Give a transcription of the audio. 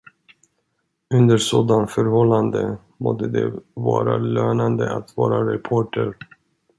Under sådana förhållanden måtte det vara lönande att vara reporter.